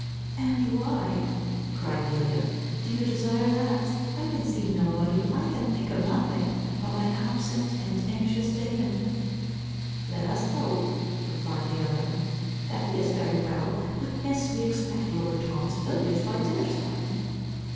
"And why" cried Delia, "do you desire that? I can see nobody, I can think of nothing, but my absent and anxious Damon." "Let us hope," replied the other, "that he is very well. But, Miss, we expect lord Thomas Villiers by dinner time."